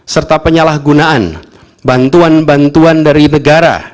serta penyalahgunaan bantuan bantuan dari negara